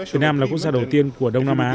việt nam là quốc gia đầu tiên của đông nam á